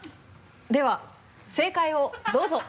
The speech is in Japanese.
では正解をどうぞ。